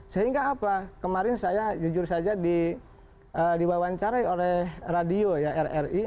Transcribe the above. sehingga apa kemarin saya jujur saja diwawancarai oleh radio ya rri